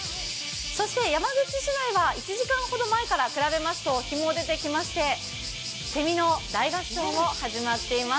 そして山口市内は１時間ほど前から比べますと日も出てきまして、せみの大合唱も始まっています。